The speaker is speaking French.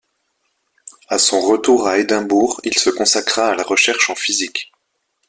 À son retour à Édimbourg, il se consacra à la recherche en physique.